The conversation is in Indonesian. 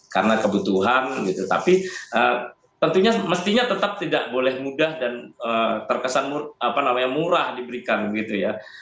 karena kebutuhan gitu tapi tentunya mestinya tetap tidak boleh mudah dan terkesan murah diberikan gitu ya